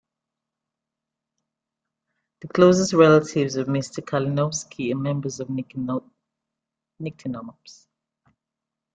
The closest relatives of "M. kalinowski" are members of "Nyctinomops".